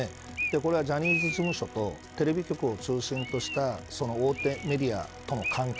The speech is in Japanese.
これはジャニーズ事務所とテレビ局を中心とした大手メディアとの関係。